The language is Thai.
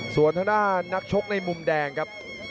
ส่วนทางด้านนักชกในมุมแดงครับ